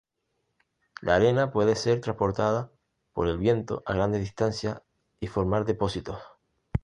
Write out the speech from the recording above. La arena puede ser transportada por el viento a grandes distancias y formar depósitos.